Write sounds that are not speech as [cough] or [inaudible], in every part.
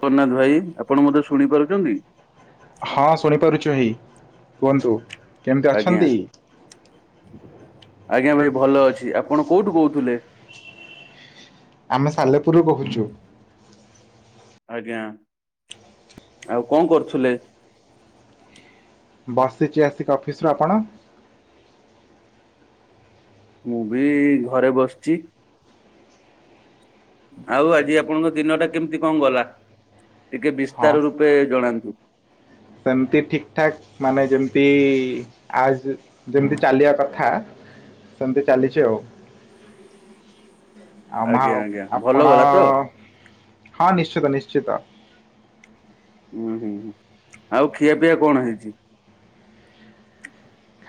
ଜଗନ୍ନାଥ ଭାଇ ଆପଣ ମତେ ଶୁଣିପାରୁଚନ୍ତି? ହଁ ଶୁଣିପାରୁଚି ଭାଇ କୁହନ୍ତୁ। କେମିତି ଆଜ୍ଞା ଅଛନ୍ତି? ଆଜ୍ଞା, ଭାଇ ଭଲ ଅଛି, ଆପଣ କୋଉଠୁ କହୁଥିଲେ? ଆମେ ସାଲେପୁରରୁ କହୁଛୁ। ଆଜ୍ଞା ଆଉ କଣ କରୁଥିଲେ? ବସିଛି ଆସିକି ଅଫିସରୁୁ, ଆପଣ? ମୁଁ ବି ଘରେ ବସିଛି। ଆଉ ଆଜି ଆପଣଙ୍କ ଦିନ ଟା କେମିତି କଣ ଗଲା, ଟିକେ ହଁ ବିସ୍ତାର ରୂପେ ଜଣାନ୍ତୁ? ସେମିତି ଠିକ ଠାକ୍, ମାନେ ଯେମିତି ଆ ଯେମତି ଚାଲିବା କଥା ସେମିତି ଚାଲିଛି ଆଉ। ଆଉ ମା ଆଜ୍ଞା ଆଜ୍ଞା ଭଲ ଆପଣ ଗଲା ତ? ହଁ ନିଶ୍ଚିତ ନିଶ୍ଚିତ। ଉୁଁ ହୁଁ ହୁଁ, ଆଉ ଖିଆପିଆ କଣ ହେଇଛି?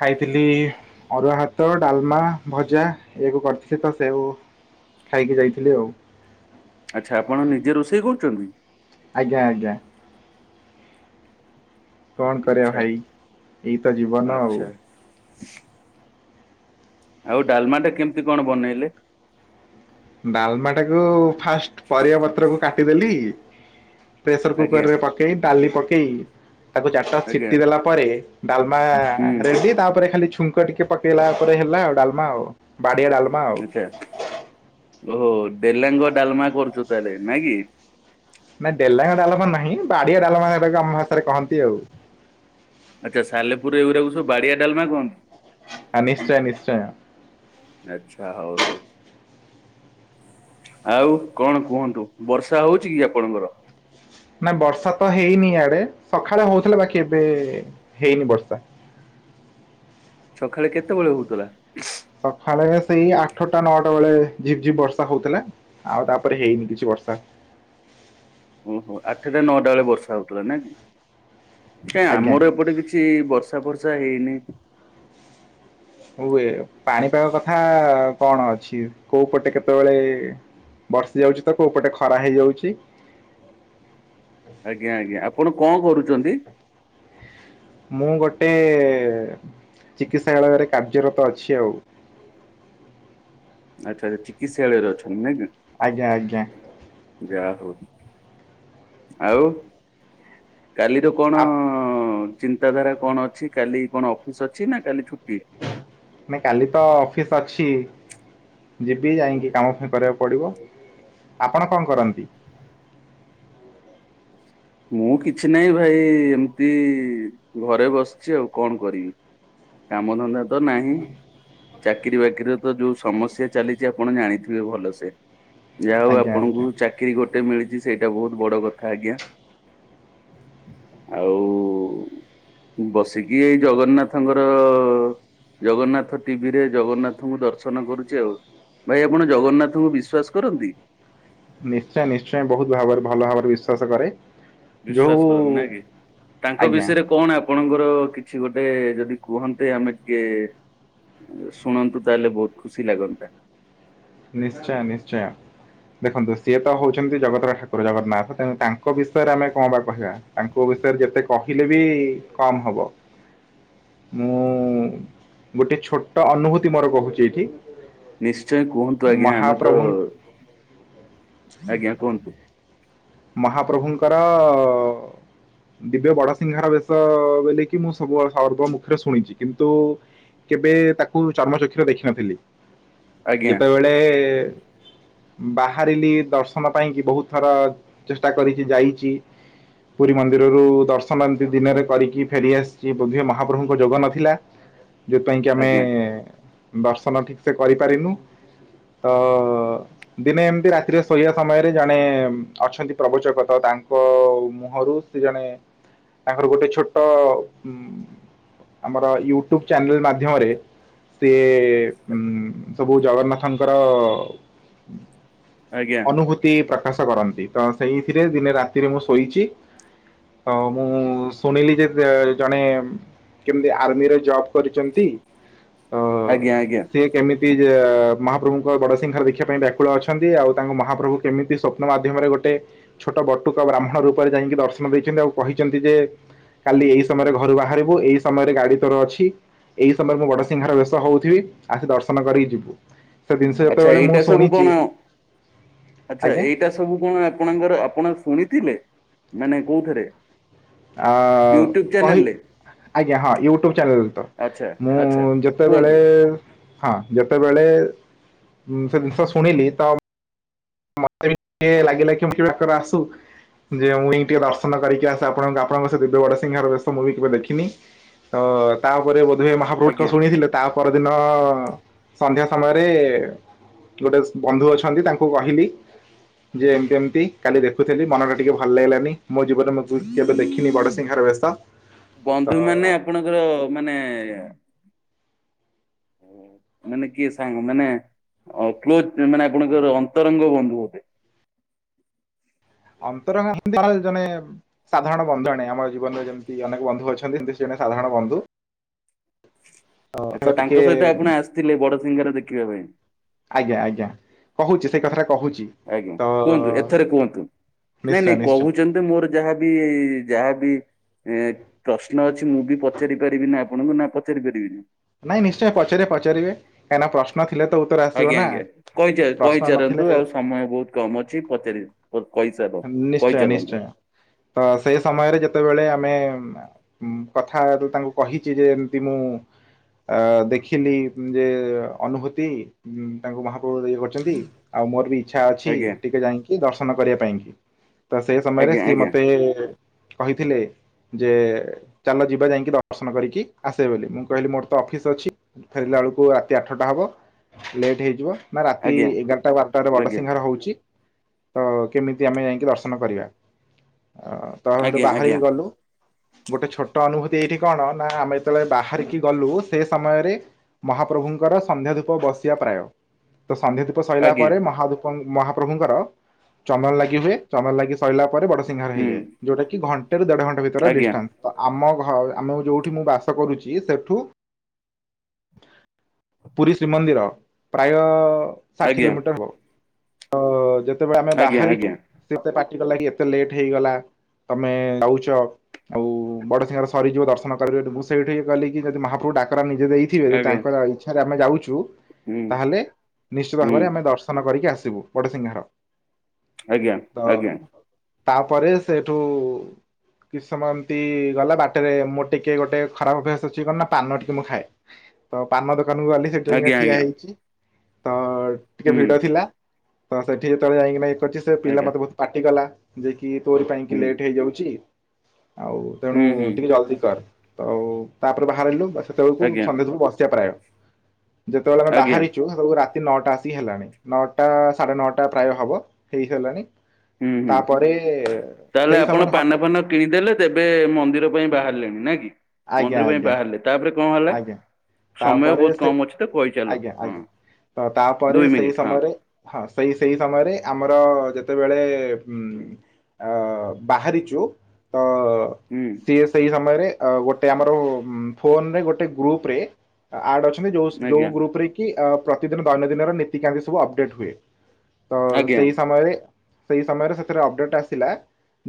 ଖାଇଥିଲି ଅରୁଆ ଭାତ ଡାଲମା ଭଜା ଏଆକୁ କରିଥିଲି ତ ସେଉ ଖାଇକି ଯାଇଥିଲି ଆଉ। ଆଚ୍ଛା, ଆପଣ ନିଜେ ରୋଷେଇ କରୁଛନ୍ତି? ଆଜ୍ଞା ଆଜ୍ଞା। କଣ କରିବା ଆଚ୍ଛା ଭାଇ ଏଇ ତ ଜୀବନ ଆଉ। ଆଚ୍ଛା [inaudible] ଆଉ ଡାଲମା ଟା କେମିତି କଣ ବନେଇଲେ? ଡାଲମା ଟାକୁ ଫାଷ୍ଟ ପରିବା ପତ୍ରକୁ କାଟିଦେଲି। ପ୍ରେସର କୁକର ଆଜ୍ଞା ରେ ପକେଇ ଡାଲି ପକେଇ ତାକୁ ଚାରିଟା ଆଜ୍ଞା ସିଟି ଦେଲା ପରେ ଡାଲମା ହୁଁ ରେଡି ତାପରେ ଖାଲି ଛୁଙ୍କ ଟିକେ ଟିକେ ପକେଇଲା ପରେ ହେଲା ଆଉ ଡାଲମା ଆଉ ବାଡିଆ ଡାଲ ଆଛା ଓହୋ ଡେଲାଙ୍ଗ ଡାଲମା କରୁଛୁ ତାହେଲେ ନାଇଁ କି। ନାଇଁ, ଡେଲାଙ୍ଗ ଡ଼ାଲମା ନାହିଁ, ବାଡିଆ ଡାଲମା ଏରା ଆମ ହାତ ରେ କହନ୍ତି ଆଉ। ଆଚ୍ଛା ସାଲେପୁର ଏଗୁରାକୁ ସବୁ ବାଡିଆ ଡାଲମା କହନ୍ତି। ଆ ନିଶ୍ଚୟ ନିଶ୍ଚୟ। ଆଚ୍ଛା ହଉ ହଉ। ଆଉ କଣ କୁହନ୍ତୁ, ବର୍ଷା ହଉଛି କି ଆପଣଙ୍କର? ନା ବର୍ଷା ତ ହେଇନି ୟାଡେ ସକାଳେ ହଉଥିଲା ବାକି ଏବେ ହେଇନି ବର୍ଷା। ସକାଳେ କେତବେଳେ ହଉଥିଲା? ସକାଳେ ସେଇ ଆଠଟା ନଅଟା ବେଳେ ଝିପ ଝିପ୍ ବର୍ଷା ହଉଥିଲା। ଆଉ ତାପରେ ହେଇନି କିଛି ବର୍ଷା। ଓହୋ ଆଠଟା ନଅଟା ବେଳେ ବର୍ଷା ହଉଥିଲା, ନା କି କାଇଁ ଆଜ୍ଞା ଆମର ଏପଟେ କିଛି କିଛି ବର୍ଷା ଫରସା ହେଇନି। ହୁଏ, ପାଣିପାଗ କଥା କଣ ଅଛି କୋଉ ପଟେ କେତେବେଳେ ବର୍ଷି ଯାଉଛି ତ କୋଉପଟେ ଖରା ହେଇଯାଉଛି। ଆଜ୍ଞା ଆଜ୍ଞା, ଆପଣ କଁ କରୁଛନ୍ତି? ମୁଁ ଗୋଟେ ଚିକିତ୍ସାଳୟରେ କାର୍ଯ୍ୟରତ ଅଛି ଆଉ। ଆଚ୍ଛା ଆଛା, ଚିକିତ୍ସାଳୟରେ ଅଛନ୍ତି ନାଇଁ କି। ଆଜ୍ଞା ଆଜ୍ଞା। ଯାହା ହଉ, ଆଉ କାଲି ର କଣ ଆ ହଁ ଚିନ୍ତାଧାରା କଣ ଅଛି କାଲି କଣ ଅଫିସ ଅଛି ନା କାଲି ଛୁଟି? ନାଇ କାଲି ତ ଅଫିସ ଅଛି। ଯିବି ଯାଇକି କାମ ଫେର କରିବାକୁ ପଡ଼ିବ, ଆପଣ କଁ କରନ୍ତି? ମୁଁ କିଛି ନାହିଁ ଭାଇ ଏମିତି ଘରେ ବସିଚି ଆଉ କଣ କରିବି। କାମଧନ୍ଦା ତ ନାହିଁ। ଚାକିରୀ ବାକିରି ର ତ ଯୋଉ ସମସ୍ୟା ଚାଲିଛି ଆପଣ ଜାଣିଥିବେ ଭଲସେ। ଯା ହଉ ଆଜ୍ଞା ଆପଣଙ୍କୁ ଆଜ୍ଞା ଚାକିରୀ ଗୋଟେ ମିଳିଛି ସେଇଟା ବହୁତ ବଡ କଥା ଆଜ୍ଞା। ଆଉ। ବସିକି ଏଇ ଜଗନ୍ନାଥଙ୍କର। ଜଗନ୍ନାଥ ଟିଭି ରେ ଜଗନ୍ନାଥଙ୍କୁ ଦର୍ଶନ କରୁଛି ଆଉ। ଭାଇ ଆପଣ ଜଗନ୍ନାଥଙ୍କୁ ବିଶ୍ୱାସ କରନ୍ତି। ନିଶ୍ଚୟ ନିଶ୍ଚୟ ବହୁତ ଭାବରେ ଭଲ ଭାବରେ ବିଶ୍ଵାସ କରେ। ବିଶ୍ବାାସ ଯୋଉ କରନ୍ତି ନା କି ତାଙ୍କ ଆଜ୍ଞା ବିଷୟରେ କଣ ଆପ ଆପଣଙ୍କର କିଛି ଗୋଟେ ଯଦି କୁହନ୍ତେ ଆମେ ଟିକେ ଶୁଣନ୍ତୁ ତାହେଲେ ବହୁତ ଖୁସି ଲାଗନ୍ତା। ନିଶ୍ଚୟ ନିଶ୍ଚୟ। ଦେଖନ୍ତୁ ସିଏ ତ ହଉଛନ୍ତି ଜଗତର ଠାକୁର ଜଗନ୍ନାଥ ତେଣୁ ତାଙ୍କ ବିଷୟରେ ଆମେ କଁ ବା କହିବା। ତାଙ୍କ ବିଷୟରେ ଯେତେ କହିଲେ ବି କମ୍ ହବ। ମୁଁ ଗୋଟେ ଛୋଟ ଅନୁଭୂତି ମୋର କହୁଛି ଏଇଠି। ନିଶ୍ଚୟ କୁହନ୍ତୁ ଆଜ୍ଞା ଆମେ ତ ମହାପ୍ରଭୁ ଆଜ୍ଞା କୁହନ୍ତୁ। ମହାପ୍ରଭୁଙ୍କର। ଦିବ୍ୟ ବଡସିିଂହାର ବେଶ ବେଲିକି ମୁଁ ସବୁବେ ସର୍ବମୁଖରେ ଶୁଣିଛି କିନ୍ତୁ। କେବେ ତାକୁ ଚର୍ମ ଚକ୍ଷର ଦେଖିନଥିଲି। ଆଜ୍ଞା ଯେତେବେଳେ ବାହାରିଲି ଦର୍ଶନ ପାଇଁ କି ବହୁତ ଥର। ଚେଷ୍ଟା କରିଚି ଯାଇଛି। ପୁରୀ ମନ୍ଦିରରୁ ଦର୍ଶନ ଏମିତି ଦିନରେ କରିକି ଫେରିଆସିଛି ବୋଧେ ମହାପ୍ରଭୁଙ୍କ ଯୋଗ ନଥିଲା। ଯୋଉଥି ପାଇଁ କି ଆମେ ଆଜ୍ଞା ଦର୍ଶନ ଠିକ ସେ କରିପାରିନୁ। ଓ ହୋ ଦିନେ ଏମିତି ରାତିରେ ଶୋଇବା ସମୟରେ ଜଣେ। ଅଛନ୍ତି ପ୍ରବଚକତ ତାଙ୍କ ମୁହଁରୁ ସେ ଜଣେ। ତାଙ୍କର ଗୋଟେ ଛୋଟ ଉଁ। ଆମର ୟୁଟ୍ୟୁବ ଚ୍ୟାନେଲ ମାଧ୍ୟମରେ ସିଏ। ସିଏ ଉଁ ସବୁ ଜଗନ୍ନାଥଙ୍କର ଆଜ୍ଞା। ଅନୁଭୂ ତି ପ୍ରକାଶ କରନ୍ତି ତ ସେଇଥିରେ ଦିନେ ରାତିରେ ମୁଁ ଶୋଇଚି। ତ ମୁଁ ଶୁଣିଲି ଯେ ଜଣେ କେମତି ଆର୍ମିରେ ଜବ କରିଛନ୍ତି ତ ଆଜ୍ଞା ଆଜ୍ଞା ସିଏ କେମିତି। ସିଏ ମହାପ୍ରଭୁଙ୍କ ବଡ଼ସିଂଙ୍ଘାର ଦେଖିବା ପାଇଁ ବ୍ୟାକୁଳ ଅଛନ୍ତି ଆଉ ତାଙ୍କୁ ମହାପ୍ରଭୁ କେମିତି ସ୍ୱପ୍ନ ମାଧ୍ୟମରେ ଗୋଟେ ଗୋଟେ ଛୋଟ ବଟୁକା ବ୍ରାହ୍ମଣ ରୂପରେ ଯାଇଁକି ଦର୍ଶନ ଦେଇଛନ୍ତି ଆଉ କହିଛନ୍ତି ଯେ। କାଲି ଏଇ ସମୟରେ ଘରୁ ବାହାରିବୁ ଏଇ ସମୟରେ ଗାଡି ତୋର ଅଛି। ଏଇ ସମୟରେ ମୁଁ ବଡସିଂଘାର ବେଶ ହଉଥିବି ଆସି ଦର୍ଶନ କରିକି ଯିବୁ। ସେ ଜିନିଷ ଆଛା ଯେତେବେଳେ ମୁଁ ଏଇଟା ସବୁ ଶୁଣିଛି କଣ ଆଛା ଆଜ୍ଞା ଏଇଟା। ସବୁ କଣ ଆପଣଙ୍କର ଆପଣ ଶୁଣିଥିଲେ ମାନେ କୋଉଥେରେ ‌ ଆ କହି। ଆଜ୍ଞା ହଁ ୟୁଟ୍ୟୁବ ଚ୍ୟାନେଲ ରେ ତ, ଆଚ୍ଛା ମୁଁ ଆଚ୍ଛା ଯେତେବେଳେ। କୁହନ୍ତୁ ହଁ ଯେତେବେଳେ ସେ ଜିନିଷ ଶୁଣିଲି ତ। ମତେ ଟିକେ ଲାଗିଲା କି ମୁଁ କେବେ ଡାକରା ଆସୁ ଯେ ମୁଁଇଁ ଟିକେ ଦର୍ଶନ କରିକି ଆସେ ଆପଣ ଆପଣଙ୍କ ସେ ଦିବ୍ୟ ବଡ଼ସିିଂଘାର ବେଶ ମୁ ବି କେବେ ଦେଖିନି। ତ ତାପରେ ବୋଧେ ମହାପ୍ରଭୁ ଡାକ ଆଜ୍ଞା। ଶୁଣିଥିଲେ। ତା ପରଦିନ ସନ୍ଧ୍ୟା ସମୟରେ ଗୋଟେ ବନ୍ଧୁ ଅଛନ୍ତି ତାଙ୍କୁ କହି ହିଲି। ଯେ ଏମିତି ଏମିତି କାଲି ଦେଖୁଥିଲି ମନ ଟା ଟିକେ ଭଲ ଲାଗିଲାନି ମୋ ଜୀବନରେ ମୁଁ କେବେ ଦେଖିନି ବଡସିଂଘାର ବେଶ। ବନ୍ଧୁ ତ ମାନେ ଆପଣଙ୍କର-ଅ-ଅ-ଅ ମାନେ-ଏ-ଏ-ଏ-ଏ ହୁଁ। ମାନେ କିଏ ସାଙ୍ଗ ମାନେ ଅ କ୍ଲୋଜ ମାନେ ଆପଣଙ୍କର ଅନ୍ତରଙ୍ଗ ବନ୍ଧୁ ଅଟେ। ଅନ୍ତରଙ୍ଗ [unintelligible] ଜଣେ ସାଧାରଣ ବନ୍ଧୁ ଜଣେ ଆମ ଜୀବନରେ ଯେମିତି ଅନେକ ବନ୍ଧୁ ଅଛନ୍ତି ସେମିତି ସେ ଜଣେ ସାଧାରଣ ବନ୍ଧୁ। ତ ଆଚ୍ଛା ଟିକେ ତାଙ୍କ ସହିତ ଆପଣ ଆସିଥିଲେ ବଡ ସିଘାଁର ଦେଖିବା ପାଇଁ? ଆଜ୍ଞା, ଆଜ୍ଞା କହୁଚି ସେଇ କଥାଟା କହୁଚି। ଆଜ୍ଞା କୁହନ୍ତୁ ଏଥରେ କୁହନ୍ତୁ ନାଇଁ ନିଶ୍ଚୟ ନାଇଁ ନିଶ୍ଚୟ କହୁଚନ୍ତି ମୋର ଯାହାବି-ଇ-ଇ-ଇ ଯାହାବି ଏ-ଏ-ଏ ପ୍ରଶ୍ନ ଅଛି ମୁଁ ବି ପଚାରି ପାରିବି ନା ଆପଣଙ୍କୁ ନା ପଚାରି ପାରିବିନି? ନାଇଁ ନିଶ୍ଚୟ ପଚାରିବେ ପଚାରିବେ କାଇନା ପ୍ରଶ୍ନ ନ ଥିଲେ ଉ ତର ଆସିବ ନା। କହି ଚା କହି ପ୍ରଶ୍ନ ନଥିଲେ ଚାରନ୍ତୁ ଆଉ ସମୟ ବହୁତ କମ ଅଛି ପଚାରି କ କହିସାରନ୍ତୁ ନିଶ୍ଚୟ, ନିଶ୍ଚୟ ତ ସେ ସମୟରେ ଯେତେବେଳେ ଆମେ-ଏ-ଏ ଉମ୍ କଥାରୁ ତାଙ୍କୁ କହିଛି ଯେ ଏମିତି ମୁଁ-ଉ-ଉ ଅ-ଅ ଦେଖିଲି ଯେ-ଏ-ଏ ଅନୁଭୂତି ଉମ ତାଙ୍କୁ ମହାପ୍ରଭୁ ଇଏ କରିଚନ୍ତି। ଆଉ ମୋର ବି ଇଚ୍ଛା ଅଛି ଆଜ୍ଞା ଟିକେ ଯାଇଁକି ଦର୍ଶନ କରିବା ପାଇଁ। ତ ସେ ସମୟରେ ଆଜ୍ଞା ସିଏ ଆଜ୍ଞା ମତେ-ଏ-ଏ-ଏ କହିଥିଲେ ଯେ-ଏ-ଏ ଚାଲ ଯିବା ଯାଇଁକି ଦର୍ଶନ କରିକି ଆସିବେ ବୋଲି ମୁଁ କହିଲି ମୋର ତ ଅଫିସ୍ ଅଛି ଫେରିଲା ବେଳକୁ ରାତି ଆଠଟା ହବ ଲେଟ୍ ହେଇଯିବ ନା ରାତି-ଇ-ଇ ଏଗାରଟା ବାରଟାରେ ଆଜ୍ଞା ବଡସିିଂହାର ହଉଚି। ତ-ଅ-ଅ କେମିତି ଆମେ ଯାଇକି ଦର୍ଶନ କରିବା ଅ ତ ହେଠୁ ଆଜ୍ଞା ଆଜ୍ଞା ବାହାରିକି ଗଲୁ। ଗୋଟେ ଛୋଟ ଅନୁଭୂତି ଏଇଠି କଣ ନା ଆମେ ଯେତେବେଳେ ବାହାରିକି ଗଲୁ ସେ ସମୟରେ ମହାପ୍ରଭୁଙ୍କର ସନ୍ଧ୍ୟା ଧୂପ ବସିବା ପ୍ରାୟ ତ ସନ୍ଧ୍ୟା ଧୁପ୍ ଅ ଆଜ୍ଞା ସଇଲା ପରେ ଆଜ୍ଞା ମହାଦୁପ ମହାପ୍ରଭୁଙ୍କର ଚନ୍ଦନ ଲାଗି ହୁଏ ଚନ୍ଦନ ଲାଗି ସରିଲା ପରେ ବଡ ସି ହାର ହୁଁ ହେଇଯାଏ ଯୋଉଟା କି ଘଣ୍ଟେରୁ ଦେଢଘଣ୍ଟା ଭିତରେ ଆଜ୍ଞା ଡିଷ୍ଟାନ୍ସ। ତ ଆମ ଘ ଆମ ଯୋଉଠି ମୁଁ ବାସ କରୁଛି ସେଠୁ ପୁରୀ ଶ୍ରୀମନ୍ଦିର ପ୍ରାୟ-ଅ-ଅ-ଅ ଷାଠିଏ ଆଜ୍ଞା କିଲୋମିଟର ହେବ। ତ-ଅ-ଅ-ଅ ଯେତେବେଳେ ଆମେ ଆଜ୍ଞା ବାହାରିଛୁ ଆଜ୍ଞା ସେତେ ପାଟି କଲା କି ଏତେ ଲେଟ୍ ହେଇଗଲା ତମେ-ଏ-ଏ ଯାଉଛ ଆଉ-ଉ-ଉ ବଡ ସିଙ୍ଗାର ସରିଯିବ ଦର୍ଶନ କରିବ ମୁଁ ସେଇଠି କହିଲିି କି ଯଦି ମହା କୁ ଡାକରା ନିଜେ ଦେଇଥିବେ ଆଜ୍ଞା ତାଙ୍କର ଇଚ୍ଛାରେ ଆମେ ଯାଉଛୁ ହୁଁ ତାହେଲେ ନିଶ୍ଚିତ ହୁଁ ଭାବରେ ଆମେ ଦର୍ଶନ କରିକି ଆସିବୁ ବଡସିଂହାର। ଆଜ୍ଞା ତ ତାପରେ ସେଠୁ-ଉ-ଉ-ଉ କିଛି ସମୟ ଏମିତି-ଇ-ଇ ଗଲା ବାଟରେ ମୋର ଟିକେ ଗୋଟେ ଖରାପ ଅଭ୍ୟାସ ଅଛି କଣ ନା ପାନ ଟିକେ ମୁଁ ଖାଏ, ତ ପାନ ଦୋକାନକୁ ଗଲି ସେଠି ଯାଇ ଆଜ୍ଞା ଆଜ୍ଞା ଆଜ୍ଞା ଠିଆ ହୁଁ ହେଇଛି ତ-ଅ-ଅ-ଅ ଟିକେ ଭିଡ ଥିଲା ତ ସେଠି ଯେତେବେଳେ ଯାଇକିନା ଇଏ କରିଛି ସେ ପିଲା ଆଜ୍ଞା ମତେ ବହୁତ ପାଟିକଲା ଯାଇକି ତୋରି ପାଇଁ କି ଲେଟ୍ ହେଇଯାଉଛି ଆଉ ହୁଁ ତେଣୁ ହୁଁ ହୁଁ ଟିକେ ଜଲଦି କର। ଆଉ ତାପରେ ବାହାରିଲୁ ସେତେବେଳକୁ ସନ୍ଧ୍ୟା ସବୁ ବସିବା ପ୍ରାୟ ଯେତେବେଳେ ଆମେ ଆଜ୍ଞା ଆଜ୍ଞା ବାହାରିଛୁ ସେବେଳକୁ ରା ତି ନଅଟା ଆସିିକି ହେଲାଣି ନଅଟା ସାଢେ ନଅଟା ପ୍ରାୟ ହବ ହେଇସାଲାଣି। ହୁଁ ହୁଁ ତାପରେ-ଏ-ଏ-ଏ ତାହେଲେ ସେଇ ଆପଣ ସମୟରେ ପାନ ହଠାତ୍ ଫାନ କିଣିଦେଲେ ତେବେ ମନ୍ଦିର ପାଇଁ ବାହାରିଲେଣି ନାଇ କି ଆଜ୍ଞା ମନ୍ଦିର ପାଇଁ ଆଜ୍ଞା ବାହାରିଲେ। ତାପରେ କଣ ହେଲା? ଆଜ୍ଞା ସମୟ ତାପରେ ବହୁତ ସେ କମ ଅଛି ତ ଆଜ୍ଞା କହିଚାଲନ୍ତୁ ହଁ ଆଜ୍ଞା ତ ତାପରେ ଦୁଇ ସେଇ ମିନିଟ ହଁ। ସମୟରେ ହଁ ସେଇ ସେଇ ସମୟରେ ଆମର-ଅ-ଅ ଯେତେବେଳେ-ଏ-ଏ ଉମ୍ ଅ ବାହାରିଛୁ ତ ହୁଁ। ସିଏ ସେଇ ସମୟରେ ଅ ଗୋଟେ ଆମର ଫୋନରେ ଗୋଟେ ଗ୍ରୁପ ରେ ଆ ଆଡ ଅଛନ୍ତି ଯୋଉ ଯୋଉ ଆଜ୍ଞା ଗ୍ରୁପ ରେ କି ଅ ପ୍ରତିଦିନ ଦୈନନ୍ଦିନର ନୀତିକାର୍ଯ୍ୟ ସବୁ ଅପଡେଟ୍ ହୁଏ। ତ ଆଜ୍ଞା ସେଇ ସମୟରେ ସେଇ ସମୟରେ ସେଥିରେ ଅପଡେଟ ଆସିଲା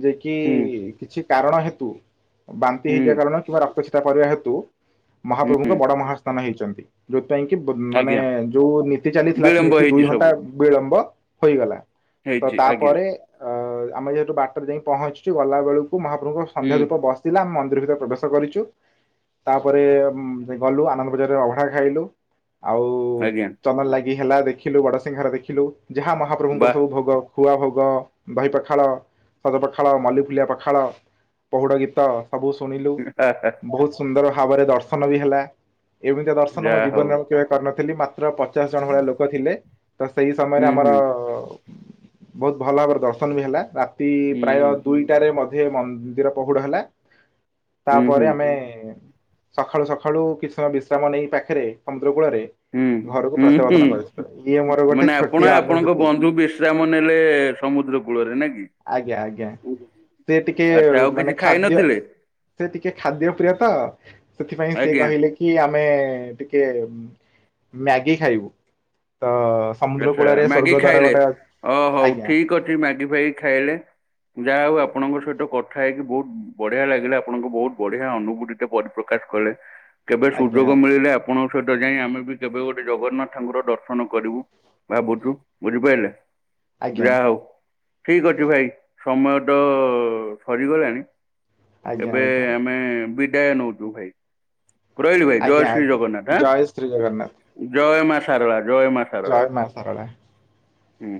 ଯେ କି ହୁଁ କିଛି କାରଣ ହେତୁ ବାନ୍ତି ହୁଁ ହେଇଯିବା କାରଣ କିମ୍ବା ରକ୍ତ ଛିଟା ପଡିବା ହେତୁ ମହାପ୍ରଭୁଙ୍କ ହୁଁ ବଡ ମହା ସ୍ଥାନ ହେଇଚନ୍ତି। ଯୋଉଥିପାଇଁ କି ମାନେ ଆଜ୍ଞା ଯୋଉ ନୀତି ଚାଲିଥିଲା ସେ ବିଳମ୍ବ ନୀତି ଦୁଇ ହେଇଛି ଘଣ୍ଟା ସବୁ ବିଳମ୍ବ ହୋଇଗଲା ତ ହେଇଛି ଆଜ୍ଞା ତାପରେ ଅ ଆମେ ଯେହେତୁ ବାଟରେ ଯାଇକ ପହଞ୍ଚିଚୁ ଗଲାବେେଳକୁ ମହାପ୍ରଭୁଙ୍କ ସନ୍ଧ୍ୟା ହୁଁ ଦୀପ ବ ଶିଲା ମନ୍ଦିର ଭିତରେ ପ୍ରବେଶ କରିଚୁ। ପରେ ମ ଗଲୁ ଆନନ୍ଦ ବଜାରରେ ଅଭଢା ଖାଇଲୁ ଆଉ ଆଜ୍ଞା ଚନ୍ଦନ ଲାଗି କି ହେଲା ଦେଖିଲୁ ବଡସିଂହରେ ଦେଖିଲୁ ଯାହା ମହାପ୍ରଭୁଙ୍କର ବା ସବୁ ଭୋଗ ଖୁଆ ଭୋଗ ଦହି ପଖାଳ ସଜପଖାଳ ମଲ୍ଲିଫୁଲିଆ ପଖାଳ ପହୁଡ଼ ଗୀତ। ସବୁ ଶୁଣିଲୁ ବହୁତ ସୁନ୍ଦର ଭାବରେ ଦର୍ଶନ ବି ହେଲା। ଏମିତି ଦର୍ଶନ ମୋ ଯାହା ହଉ ଜୀବନରେ ମୁଁ କେବେ କରିନଥିଲି ମାତ୍ର ପଚାଶ ଜଣ ଭଳିଆ ଲୋକ ଥିଲେ। ତ ସେଇ ସମୟରେ ହୁଁ ଆମର ହୁଁ ବହୁତ ଭଲ ଭାବରେ ଦର୍ଶନ ବି ହେଲା। ରା ତି ହୁଁ ପ୍ରାୟ ଦୁଇଟାରେ ମଧ୍ୟ ମନ୍ଦିର ପହୁଡ ହେଲା। ହୁଁ ତାପରେ ହୁଁ ଆମେ ସଖାଳୁ ସଖାଳୁ କିଛି ସମୟ ବିଶ୍ରାମ ନେଇ ପାଖରେ ସମୁଦ୍ରକୂଳରେ ହୁଁ ହୁଁ ହୁଁ ମୋର ଗୋଟେ ମାନେ ଛୋଟିଆ ଆପଣ ଆପଣଙ୍କ ଅନୁଭୂତି। ବନ୍ଧୁ ବିଶ୍ରାମ ନେଲେ ସମୁଦ୍ରକୁ କୂଳରେ ନା କି। ଆଜ୍ଞା ଆଜ୍ଞା ସେ ଟିକେ ଆଚ୍ଛା ଆଉ ମାନେ କିଛି ଖାଇ ଖାଦ୍ୟ ନଥିଲେ ସେ ଟିକେ ଖାଦ୍ୟ ପ୍ରିୟ ତ ସେଥିପାଇଁ ସେ ଆଜ୍ଞା କହିଲେ। କି ଆମେ ଟିକିଏ ମ୍ୟାଗି ଖାଇବୁ ତ ସମୁଦ୍ର ଆଛା କୂଳରେ ମଗି ସ୍ୱର୍ଗ ଦ୍ୱାର ଖାଇଲେ ଗୋଟେ ହ ହଉ ଆଜ୍ଞା ଠିକ ଅଛି ମ୳୲ଗି ଭାଇ ଖାଇଲେ? ଯାହା ହଉ ଆପଣଙ୍କ ସହିତ କଥା ହେଇକି ବହୁତ ବଢିଆ ଲାଗିଲା ଆପଣଙ୍କ ବହୁତ ବଢିଆ ଅନୁଭୂତି ପରିପ୍ରକାଶ କଲେ। କେବେ ଆଜ୍ଞା ସୁଯୋଗ ଆଜ୍ଞା ମିଳିଲେ ଆପଣଙ୍କ ସହିତ ଯାଇଁ ଆମେ ବି କେବେ ଗୋଟେ ଜଗନ୍ନାଥ ଙ୍କର ଦର୍ଶନ କରିବୁ। ବା ବୁଝୁ ବୁଝିପାଇଲେ ସେ ଆଜ୍ଞା ଯାହା ହଉ ଠିକ ଅଛି ଭାଇ ସମୟଟ ସରିଗଲାଣି। ଆଜ୍ଞା ଏବେ ଆଜ୍ଞା ଆମେ ବିଦାୟ ନଉଚୁ ଭାଇ। ରହିଲି ଭାଇ ଜୟ ଆଜ୍ଞା ଶ୍ରୀ ଆଜ୍ଞା ଜଗନ୍ନାଥ ଜୟ ଶ୍ରୀ ଜଗନ୍ନାଥ ଆଁ ଜୟ ମା ସାରଳା ଜୟ ମା ଶାରଳା ଜୟ ମା ସାରଳା। ହୁଁ।